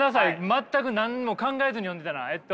全く何にも考えずに読んでたなえっと。